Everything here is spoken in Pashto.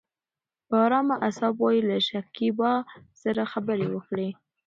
په ارامه اصابو يې له شکيبا سره خبرې وکړې.